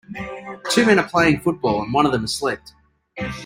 Two men are playing football, and one of them has slipped.